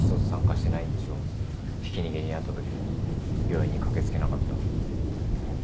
ひき逃げに遭ったときも病院に駆け付けなかった。